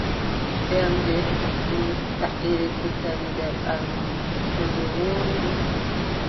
Ɓernde, ɗum taʼre kusel nder ɓanndu, to nde woodi,